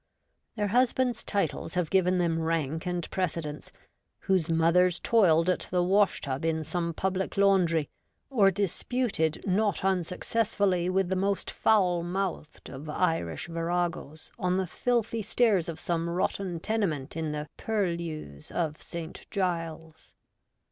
15 Their husbands' titles have given them rank and precedence, virhose mothers toiled at the wash tub in some public laundry, or disputed not unsuccessfully with the most foul mouthed of Irish viragoes on the filthy stairs of some rotten tenement in the purlieus of Saint Giles's.